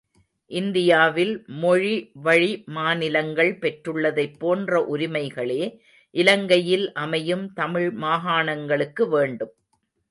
இந்தியாவில் மொழி வழி மாநிலங்கள் பெற்றுள்ளதைப் போன்ற உரிமைகளே, இலங்கையில் அமையும் தமிழ் மாகாணங்களுக்கு வேண்டும்.